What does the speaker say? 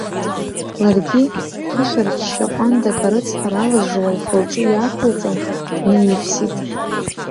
Ларгьы, ԥышәрчча ҟәандак арыцҳара алыжжуа лхы-лҿы иаақәылҵан, днаивсит.